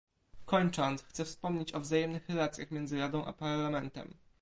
Kończąc, chcę wspomnieć o wzajemnych relacjach między Radą a Parlamentem